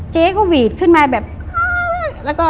เจ๊ก็หวีดขึ้นมาแบบแล้วก็